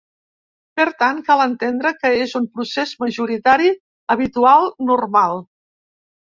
Per tant, cal entendre que és un procés majoritari, habitual, normal.